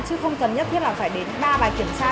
chứ không cần nhất thiết là phải đến ba bài kiểm tra